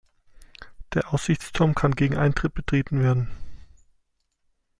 Der Aussichtsturm kann gegen Eintritt betreten werden.